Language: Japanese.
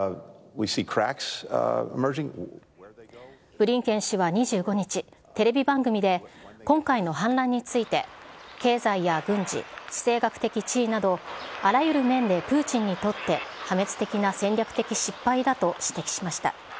ブリンケン氏は２５日、テレビ番組で今回の反乱について、経済や軍事、地政学的地位など、あらゆる面でプーチンにとって破滅的な戦略的失敗だと指摘しました。